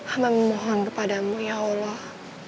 ah memohon kepadamu ya allah